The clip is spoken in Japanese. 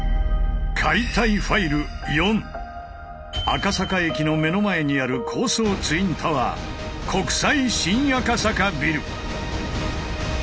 赤坂駅の目の前にある高層ツインタワー国際新赤坂ビル。